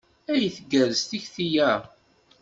Ay tgerrez tekti-a!